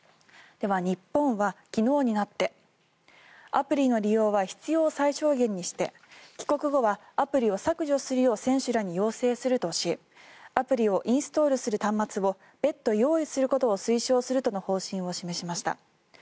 では日本は、昨日になってアプリの利用は必要最小限にして帰国後はアプリを削除するよう選手に要請するとしアプリをインストールする端末を別途用意することを推奨するとの方針を示しました。